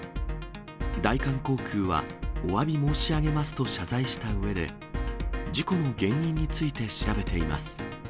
大韓航空は、おわび申し上げますと謝罪したうえで、事故の原因について調べています。